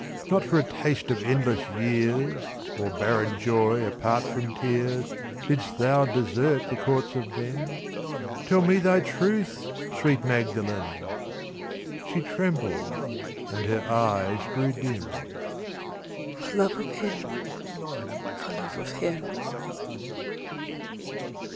Not for a taste of endless years Or barren joy apart from tears Didst thou desert the courts of men. Tell me thy truth, sweet Magdalen!" She trembled, and her eyes grew dim: "For love of Him, for love of Him."